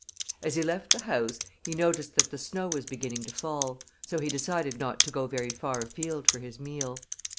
As he left the house he noticed that the snow was beginning to fall, so he decided not to go very far afield for his meal.